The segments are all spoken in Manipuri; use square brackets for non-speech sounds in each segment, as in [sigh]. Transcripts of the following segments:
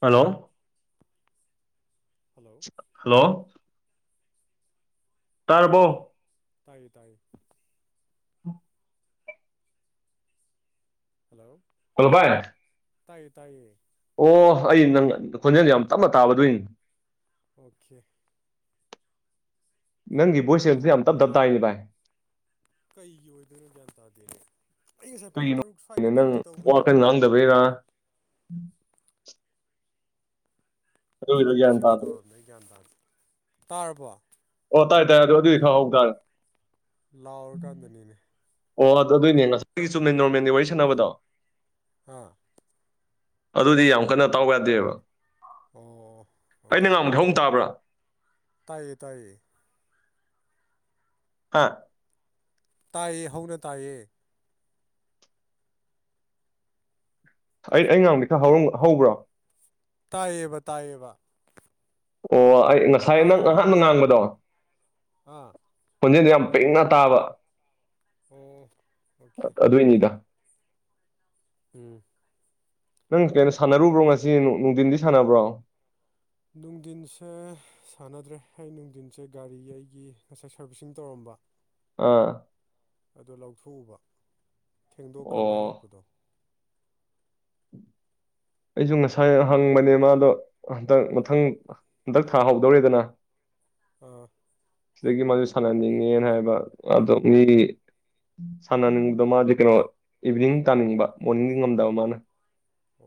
ꯍꯜꯂꯣ ꯍꯜꯂꯣ ꯍꯜꯂꯣ ꯇꯔꯕꯣ ꯇꯥꯏ ꯇꯥꯏ ꯍꯜꯂꯣ ꯍꯂꯣꯚꯥꯏ ꯇꯥꯏꯌꯦ ꯇꯥꯏꯌꯦ ꯑꯣ ꯑꯩ ꯅꯪ ꯈꯣꯟꯖꯦꯜ ꯌꯥꯝ ꯇꯞꯅ ꯇꯥꯕꯗꯣꯏꯅꯤ ꯑꯣꯀꯦ ꯅꯪꯒꯤ ꯕꯣꯏꯁꯤꯡ ꯑꯁꯤ ꯌꯥꯝ ꯇꯞ ꯇꯞ ꯇꯥꯏꯅꯤ ꯚꯥꯏ ꯀꯩ ꯌꯣꯗꯅ ꯌꯥꯗꯗꯅꯦ ꯀꯩꯒꯤꯅꯣꯅꯣ ꯅꯪ ꯋꯥꯈꯟ ꯉꯥꯡꯗꯕꯩꯔꯥ ꯑꯗꯨꯒꯤꯔ ꯒ꯭ꯌꯥꯟ ꯇꯥꯗ꯭ꯔꯦ ꯃꯣꯏꯁꯤꯗꯧ ꯒ꯭ꯌꯥꯟ ꯇꯥ ꯇꯥꯔꯕꯣ ꯄꯠꯇꯥꯏ ꯇꯥꯏꯦ ꯑꯗꯨꯣ ꯑꯗꯨꯗꯤ ꯈꯪꯍꯧꯇꯥꯥꯔꯦ ꯂꯥꯎꯔꯀꯥꯟꯗꯅꯤꯅꯦ ꯑꯣ ꯑꯗꯨ ꯑꯗꯨꯏꯅꯦ ꯉꯁꯥꯏ ꯆꯨꯝꯅ ꯅꯣꯔꯃꯦꯜꯒꯤ ꯋꯥꯔꯤ ꯁꯥꯟꯅꯕꯗꯣ ꯍꯥ ꯑꯗꯨꯗꯤ ꯌꯥꯝ ꯀꯟꯅ ꯇꯥꯎ ꯌꯥꯗꯦꯕ ꯑꯣ ꯑꯩꯅ ꯑꯣꯀꯦ ꯉꯥꯡꯕꯗꯣꯡ ꯇꯥꯕ꯭ꯔꯥ ꯇꯥꯏꯌꯦ ꯇꯥꯏꯌꯦ ꯑꯥ ꯇꯥꯏꯌꯦ ꯍꯧꯅ ꯇꯥꯏꯌꯦ ꯑꯩ ꯑꯩ ꯉꯥꯡꯅꯤ ꯈꯔ ꯍꯧꯕ꯭ꯔꯣ ꯇꯥꯏꯌꯦꯕ ꯇꯥꯏꯌꯦꯕ ꯑꯣ ꯑꯩ ꯉꯁꯥꯏ ꯅꯪ ꯇꯥꯗ꯭ꯔꯣ ꯉꯍꯥꯛꯅ ꯉꯥꯡꯕꯗꯣ ꯑꯥ ꯄꯨꯟꯁꯤꯟꯗ ꯌꯥꯝ ꯄꯤꯛꯅ ꯇꯥꯕ ꯑꯣ ꯑꯣꯀꯦ ꯑꯗꯨꯏꯅꯤꯗ ꯎꯝ ꯅꯪ ꯀꯩꯅꯣ ꯁꯥꯟꯅꯔꯨꯕ꯭ꯔꯣ ꯉꯁꯤ ꯅꯨꯡꯊꯤꯟꯗꯤ ꯁꯥꯟꯅꯕ꯭ꯔꯣ ꯅꯨꯡꯊꯤꯟꯁꯦ ꯁꯥꯟꯅꯗ꯭ꯔꯦ ꯑꯩ ꯅꯨꯡꯊꯤꯟꯁꯦ ꯒꯥꯔꯤ ꯑꯩꯒꯤ ꯉꯁꯥꯏ ꯁꯥꯔꯚꯤꯁꯁꯤꯡ ꯇꯧꯔꯝꯕ ꯑꯥ ꯑꯣ ꯂꯧꯊꯣꯛꯎꯕ ꯊꯦꯡꯗꯣꯛꯈ꯭ꯔꯕ ꯑꯣ ꯍꯜꯂꯛꯄꯗꯣ ꯑꯩꯁꯨ ꯉꯁꯥꯏ ꯍꯪꯕꯅꯦ ꯃꯥꯗꯣ ꯍꯟꯗꯛ ꯃꯊꯪ ꯍꯟꯇꯛ ꯊꯥꯍꯧꯗꯧꯔꯦꯗꯅ ꯑ [unintelligible] [inaudible] ꯁꯤꯗꯒꯤ ꯃꯥꯁ ꯁꯥꯟꯅꯅꯤꯡꯉꯦꯅ ꯍꯥꯏꯕ ꯑꯣ ꯃꯤ ꯁꯥꯟꯅꯅꯤꯡꯕꯗꯣ ꯃꯥꯗꯤ ꯀꯩꯅꯣ ꯏꯚꯤꯅꯤꯡ ꯇꯥꯅꯤꯡꯕ ꯃꯣꯔꯅꯤꯡꯗꯤ ꯉꯝꯗꯕ ꯃꯥꯅ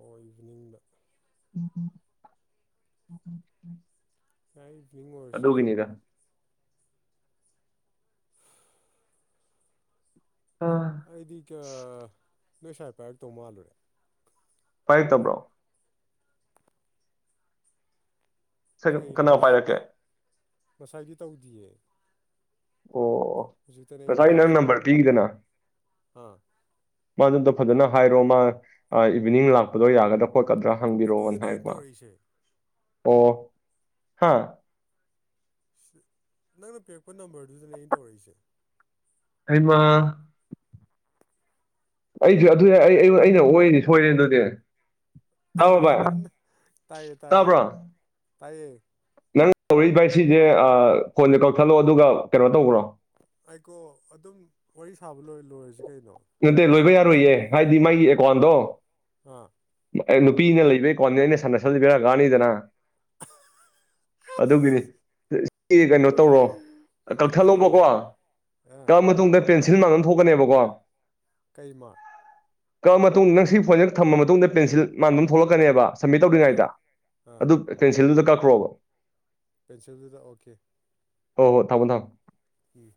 ꯑꯣꯏꯕꯤꯅꯤꯡꯕ ꯎꯝ ꯎꯝ ꯎꯝ ꯎꯝ ꯎꯝ ꯁꯥꯏ ꯑꯗꯨꯒꯤꯅꯤꯗ ꯑ ꯑꯩꯗꯤ ꯅꯣꯏ ꯏꯁꯥꯏꯐꯔ ꯇꯧ ꯃꯥꯜꯂꯨꯔꯦ ꯄꯥꯏꯇꯕ꯭ꯔꯣ ꯀꯅꯥꯣ ꯄꯥꯏꯔꯛꯀꯦ ꯉꯁꯥꯏꯒꯤ ꯇꯧꯗꯤꯌꯦ ꯑꯣ ꯑꯣ ꯍꯧꯖꯤꯛꯇꯅꯦ ꯑꯩꯅ ꯉꯁꯥꯏꯒꯤ ꯅꯪ ꯇꯧꯔꯤꯁꯦ ꯅꯝꯕꯔ ꯄꯤꯈꯤꯗꯅ ꯑꯥ ꯃꯥꯗꯨꯝꯗꯣ ꯐꯖꯅ ꯍꯥꯏꯔꯣ ꯃꯥ ꯏꯚꯤꯅꯤꯡ ꯂꯥꯛꯄꯗꯣ ꯌꯥꯒꯗ꯭ꯔꯥ ꯊꯣꯛꯀꯗ꯭ꯔꯥ ꯍꯪꯕꯤꯔꯛꯑꯣꯅ ꯑꯗꯨꯗꯅꯦ ꯑꯩꯅ ꯍꯥꯏꯕ ꯇꯧꯔꯛꯏꯁꯦ ꯑꯣ ꯍꯥꯥ ꯅꯪꯅ ꯄꯤꯔꯛꯄ ꯅꯝꯕꯔꯗꯨꯗꯅꯦ ꯑꯩꯅ ꯇꯧꯔꯛꯏꯁꯦ ꯍꯥꯏꯩꯃ ꯑꯩꯁꯨ ꯑꯗꯨ ꯑꯩ ꯑꯩꯅ ꯑꯣꯏꯗꯤ ꯁꯣꯏꯔꯦ ꯑꯗꯨꯗꯤ ꯇꯥꯕ꯭ꯔꯣꯕꯥꯏ ꯇꯥꯏꯌꯦ ꯇꯥꯏꯌꯦ ꯇꯥꯕ꯭ꯔꯣ ꯇꯥꯏꯌꯦ ꯉꯪ ꯇꯧꯔꯛ ꯚꯥꯏ ꯁꯤꯁꯦ ꯐꯣꯟꯗ ꯀꯛꯊꯠꯂꯛꯣ ꯑꯗꯨꯒ ꯀꯩꯅꯣ ꯇꯧꯕ꯭ꯔꯣ ꯑꯩꯀꯣ ꯑꯗꯨꯝ ꯋꯥꯔꯤ ꯁꯥꯕ ꯂꯣꯏ ꯂꯣꯏꯔꯁꯤ ꯀꯩꯅꯣ ꯅꯠꯇꯦ ꯂꯣꯏꯕ ꯌꯥꯔꯣꯏꯌꯦ ꯍꯥꯏꯗꯤ ꯃꯥꯒꯤ ꯑꯦꯀꯥꯎꯟꯗꯣ ꯑ ꯑꯦ ꯅꯨꯄꯤꯅ ꯂꯩꯕꯩ ꯀꯣꯅꯤ ꯑꯩꯅ ꯁꯅꯁꯟꯕꯤ ꯀꯅꯤꯗꯅ ꯑꯗꯨꯒꯤꯅꯤ ꯁꯤ ꯀꯩꯅꯣ ꯇꯧꯔꯣ ꯀꯛꯊꯠꯂꯣꯕꯀꯣ ꯐꯖꯩꯔꯦ ꯑꯥ ꯀꯛꯑ ꯃꯇꯨꯡꯗ ꯄꯦꯟꯁꯤꯜ ꯃꯥꯡ ꯑꯃ ꯊꯣꯛꯀꯅꯦꯕꯀꯣ ꯀꯩꯃꯥꯔ ꯀꯛ ꯃꯇꯨꯡ ꯅꯪ ꯁꯤ ꯐꯣꯏꯁ ꯊꯝꯃ ꯃꯇꯨꯡꯗ ꯄꯦꯟꯁꯤꯜ ꯃꯥꯟꯗꯨꯝ ꯊꯣꯛꯂꯛꯀꯅꯦꯕ ꯁꯝꯃꯤꯠ ꯑꯥ ꯇꯧꯗ꯭ꯔꯤꯉꯩꯗ ꯑꯥ ꯑꯗꯨ ꯀꯦꯟꯁꯤꯜꯗꯨꯗ ꯀꯛꯈ꯭ꯔꯣꯕ ꯄꯦꯟꯁꯤꯜꯗꯨꯗ ꯑꯣꯀꯦ ꯍꯣꯏ ꯍꯣ ꯊꯥꯃꯣ ꯊꯝꯃꯣ ꯎꯝ